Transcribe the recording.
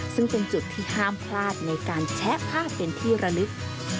ซึ่งเป็นจุดที่ห้ามพลาดในการแชะภาพเป็นที่ระลึก